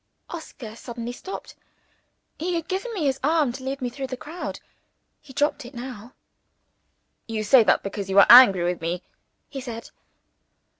Oscar suddenly stopped. He had given me his arm to lead me through the crowd he dropped it now. "You say that, because you are angry with me!" he said.